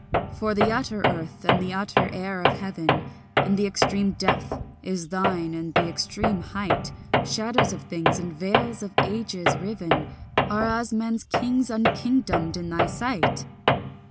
For the utter earth and the utter air of heaven And the extreme depth is thine and the extreme height; Shadows of things and veils of ages riven Are as men's kings unkingdomed in thy sight.